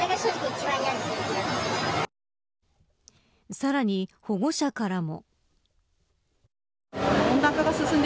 さらに保護者からも。